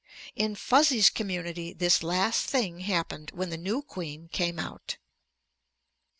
In Fuzzy's community this last thing happened when the new queen came out.